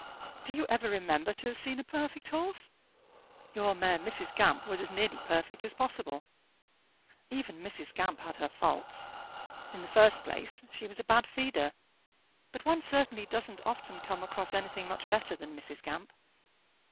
Do you ever remember to have seen a perfect horse?" "Your mare Mrs. Gamp was as nearly perfect as possible." "Even Mrs. Gamp had her faults. In the first place she was a bad feeder. But one certainly doesn't often come across anything much better than Mrs. Gamp."